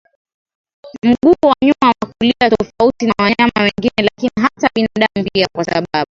mguu wa nyuma wa kulia tofauti na wanyama wengine lakini hata binaadamu pia kwasababu